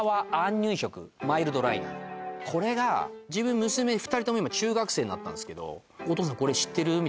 これが自分娘２人とも今中学生になったんすけど「お父さんこれ知ってる？」